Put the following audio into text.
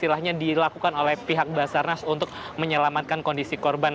istilahnya dilakukan oleh pihak basarnas untuk menyelamatkan kondisi korban